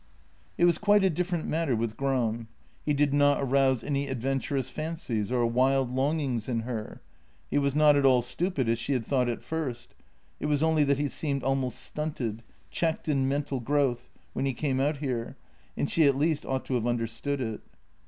It was quite a different matter with Gram. He did not arouse any adventurous fancies or wild longings in her. He was not at all stupid, as she had thought at first; it was only that he seemed almost stunted, checked in mental growth, when he came out here, and she at least ought to have understood it.